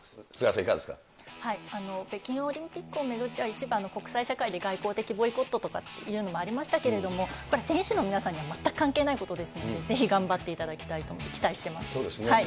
北京オリンピックを巡っては、一番、国際社会で外交的ボイコットとかもありましたけれども、選手の皆さんには全く関係ないことですので、ぜひ、頑張っていただきたいそうですね。